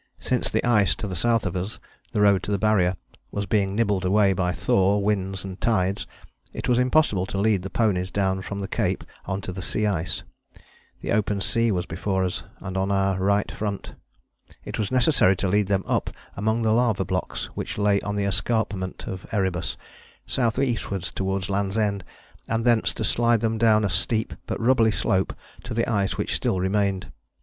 Since the ice to the south of us, the road to the Barrier, was being nibbled away by thaw, winds and tides, it was impossible to lead the ponies down from the Cape on to the sea ice. The open sea was before us and on our right front. It was necessary to lead them up among the lava blocks which lay on the escarpment of Erebus, south eastwards towards Land's End, and thence to slide them down a steep but rubbly slope to the ice which still remained.